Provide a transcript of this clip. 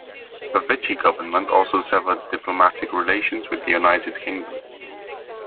The Vichy government also severed diplomatic relations with the United Kingdom.